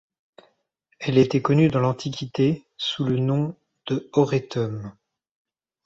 Elle était connue dans l'Antiquité sous le nom de Oretum.